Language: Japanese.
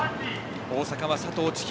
大阪は佐藤千紘。